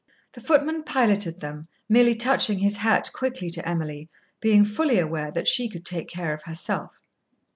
The footman piloted them, merely touching his hat quickly to Emily, being fully aware that she could take care of herself.